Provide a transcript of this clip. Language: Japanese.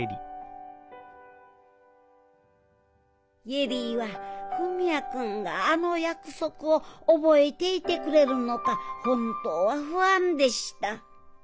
恵里は文也君があの約束を覚えていてくれてるのか本当は不安でした。